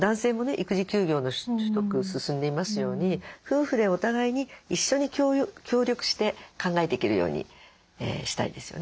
育児休業の取得進んでいますように夫婦でお互いに一緒に協力して考えていけるようにしたいですよね。